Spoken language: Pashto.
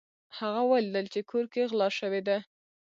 هغه ولیدل چې کور کې غلا شوې ده.